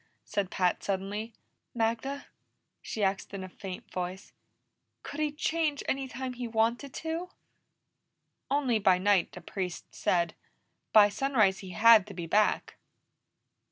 said Pat suddenly. "Magda," she asked in a faint voice, "could he change any time he wanted to?" "Only by night, the Priest said. By sunrise he had to be back."